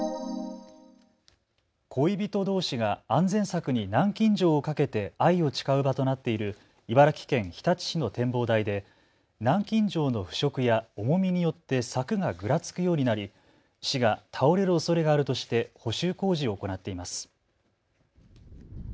恋人どうしが安全柵に南京錠をかけて愛を誓う場となっている茨城県日立市の展望台で南京錠の腐食や重みによって柵がぐらつくようになり市が倒れるおそれがあるとして補修工事を行っています。